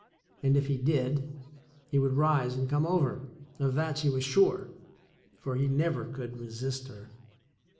And if he did, he would rise and come over — of that she was sure, for he never could resist her.